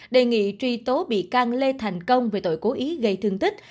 đề nghị truy tố bị can lê thành công về tội cố ý gây thương tích